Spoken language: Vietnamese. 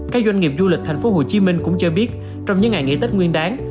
các doanh nghiệp du lịch tp hcm cũng cho biết trong những ngày nghỉ tết nguyên đáng